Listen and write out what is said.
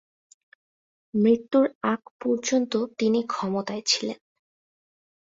মৃত্যুর আগ পর্যন্ত তিনি ক্ষমতায় ছিলেন।